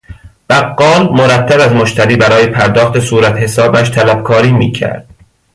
بقال مرتب از مشتری برای پرداخت صورت حسابش طلبکاری میکرد.